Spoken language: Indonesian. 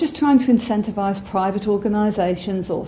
bukan hanya mencoba untuk menincentivasi organisasi pribadi